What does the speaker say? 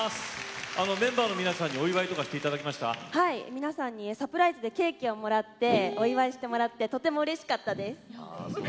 皆さんにサプライズでケーキをもらってお祝いしてもらってとてもうれしかったです。